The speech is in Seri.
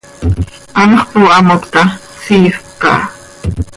Anxö pohamoc ta, siifp caha.